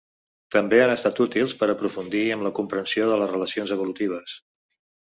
També han estat útils per aprofundir en la comprensió de les relacions evolutives.